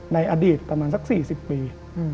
ในอดีตประมาณสัก๔๐ปี